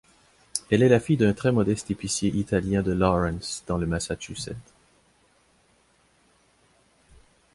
Elle est la fille d'un très modeste épicier italien de Lawrence dans le Massachusetts.